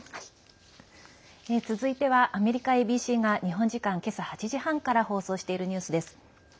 続いては、アメリカＡＢＣが日本時間今朝８時半から放送しているニュースです。